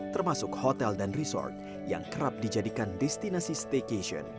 termasuk hotel dan resort yang kerap dijadikan destinasi staycation